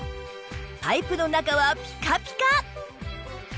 パイプの中はピカピカ！